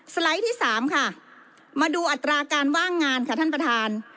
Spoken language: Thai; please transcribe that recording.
ไลด์ที่๓ค่ะมาดูอัตราการว่างงานค่ะท่านประธาน